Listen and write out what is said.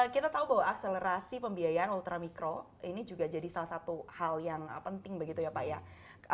kita tahu bahwa akselerasi pembiayaan ultramikro ini juga jadi salah satu hal yang penting begitu ya pak ya